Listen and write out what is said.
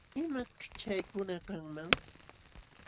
¿Imaćh chaykuna kanman?